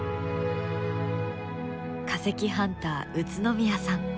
化石ハンター宇都宮さん。